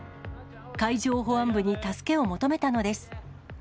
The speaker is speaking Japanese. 海上保安部に助けを求めたのです。